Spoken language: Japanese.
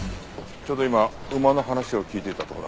ちょうど今馬の話を聞いていたとこだ。